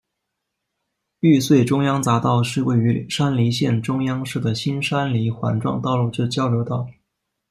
玉穗中央匝道是位于山梨县中央市的新山梨环状道路之交流道。